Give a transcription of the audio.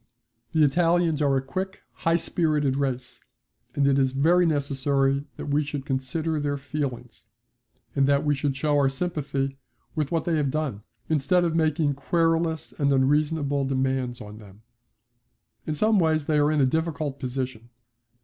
The Italians are a quick high spirited race, and it is very necessary that we should consider their feelings, and that we should show our sympathy with what they have done, instead of making querulous and unreasonable demands of them. In some ways they are in a difficult position.